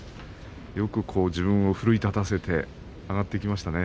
よく自分を奮い立たせて上がってきましたね。